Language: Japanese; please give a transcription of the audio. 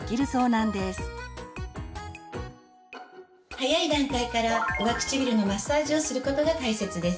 早い段階から上唇のマッサージをすることが大切です。